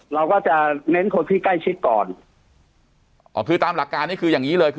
เราก็จะเน้นคนที่ใกล้ชิดก่อนอ๋อคือตามหลักการนี่คืออย่างงี้เลยคือ